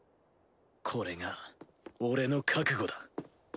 これが俺の覚悟だ。